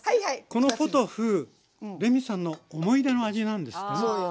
このポトフレミさんの思い出の味なんですってねそうよ。